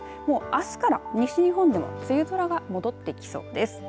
あすから西日本でも梅雨空が戻ってきそうです。